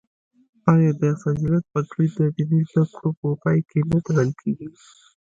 آیا د فضیلت پګړۍ د دیني زده کړو په پای کې نه تړل کیږي؟